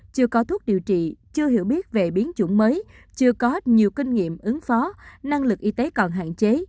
chưa có thuốc điều trị chưa hiểu biết về biến chủng mới chưa có nhiều kinh nghiệm ứng phó năng lực y tế còn hạn chế